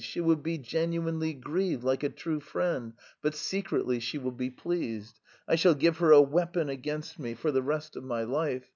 She will be genuinely grieved like a true friend, but secretly she will be pleased.... I shall give her a weapon against me for the rest of my life.